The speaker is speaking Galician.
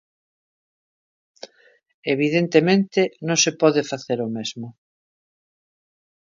Evidentemente, non se pode facer o mesmo.